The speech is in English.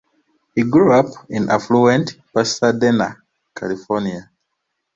He grew up in affluent Pasadena, California.